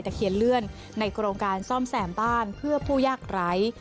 แต่เขียนเลื่อนในกรงการซ่อมแสมบ้านเพื่อผู้ยากร้าย